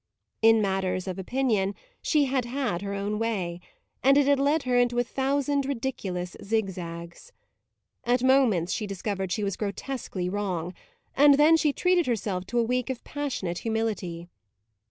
In matters of opinion she had had her own way, and it had led her into a thousand ridiculous zigzags. At moments she discovered she was grotesquely wrong, and then she treated herself to a week of passionate humility.